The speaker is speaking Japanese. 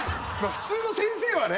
普通の先生はね。